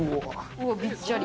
うわびっちゃり。